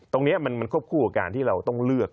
ตรงนี้มันควบคู่กับการที่เราต้องเลือก